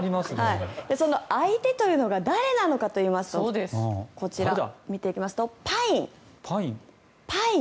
その相手というのが誰なのかといいますとこちら、見ていきますとパイン。